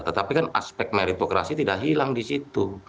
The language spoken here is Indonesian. tetapi kan aspek meritokrasi tidak hilang di situ